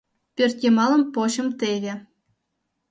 Пӧртйымалым почым теве.